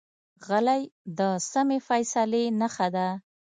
غلی، د سمې فیصلې نښه ده.